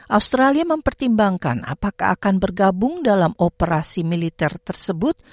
australia mempertimbangkan apakah akan bergabung dalam operasi militer tersebut